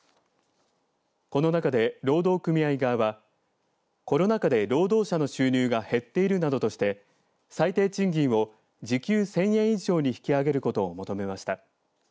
この中で、労働組側はコロナ禍で労働者の収入が減っているなどとして最低賃金を時給１０００円以上に引き上げることを求めました。